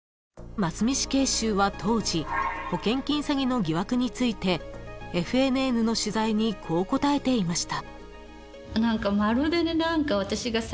［真須美死刑囚は当時保険金詐欺の疑惑についてＦＮＮの取材にこう答えていました］